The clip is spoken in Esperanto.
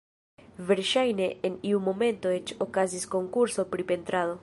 Verŝajne en iu momento eĉ okazis konkurso pri pentrado.